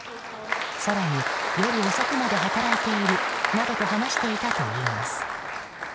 更に夜遅くまで働いているなどと話していたといいます。